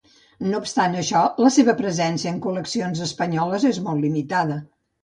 No obstant això, la seva presència en col·leccions espanyoles és molt limitada.